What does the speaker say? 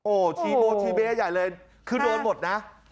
โอ้โหชีโบทีเบ๊ใหญ่เลยคือโดนหมดนะ